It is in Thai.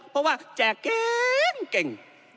เพราะว่าแจกเก่ง